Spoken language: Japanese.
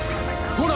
ほら！